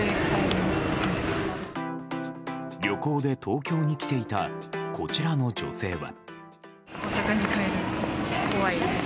旅行で東京に来ていたこちらの女性は。